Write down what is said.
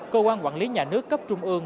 cơ quan quản lý nhà nước cấp trung ương